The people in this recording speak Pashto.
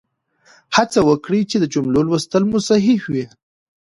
هڅه وکړئ چې د جملو لوستل مو صحیح وي.